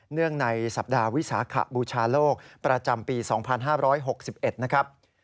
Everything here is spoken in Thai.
งในสัปดาห์วิสาขบูชาโลกประจำปี๒๕๖๑นะครับ